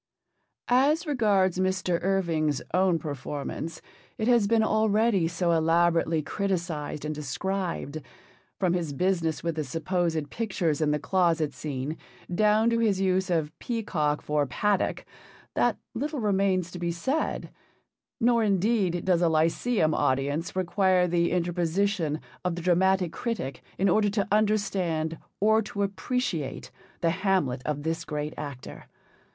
As regards Mr. Irving's own performance, it has been already so elaborately criticised and described, from his business with the supposed pictures in the closet scene down to his use of 'peacock' for 'paddock,' that little remains to be said; nor, indeed, does a Lyceum audience require the interposition of the dramatic critic in order to understand or to appreciate the Hamlet of this great actor.